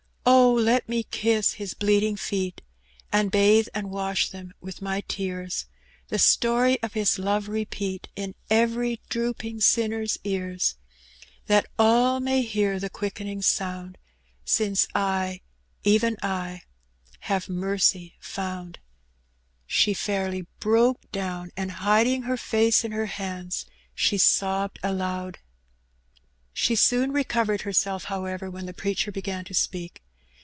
"Oh» let me loss HiB bleeding feet, : And bathe and wash them with my tears, The story of His love repeat In every drooping sinner's ears, That all may hear the qnick'niivg soox^d, Sinoe I, even I, have mercy fomid," — she fairly broke down^ and^ hiding her face in her hands, she sobbed aloud. She soon recovered herself, however, when the preacher began to speak.